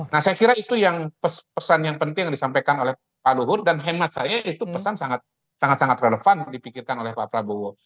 nah saya kira itu yang pesan yang penting yang disampaikan oleh pak luhut dan hemat saya itu pesan sangat sangat relevan dipikirkan oleh pak prabowo